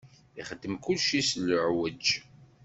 Ixeddem kulci s lɛuj.